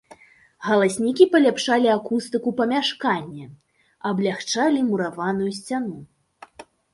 Галаснікі паляпшалі акустыку памяшкання, аблягчалі мураваную сцяну.